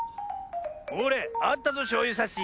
ほれあったぞしょうゆさし。